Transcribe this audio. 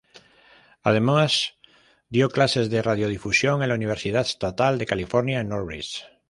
Además, dio clases de radiodifusión en la Universidad Estatal de California en Northridge.